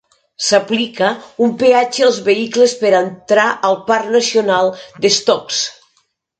S'aplica un peatge als vehicles per entrar al Parc Nacional de Stokes.